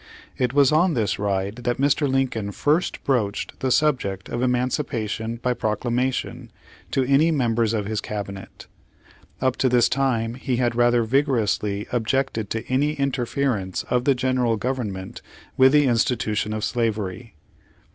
It was on this ride that Mr. Lincoln first broached the subject of emancipation by proclamation to any members of his cabinet. Up to this time he had rather vigorously objected to any interference of the General Government with the institution of slavery.